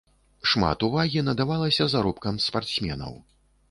Шмат увагі надавалася заробкам спартсменаў.